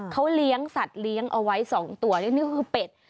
เขาเลี้ยงสัตว์เลี้ยงเอาไว้๒ตัวนี่ก็คือเป็ด